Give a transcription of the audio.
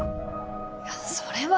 いやそれは。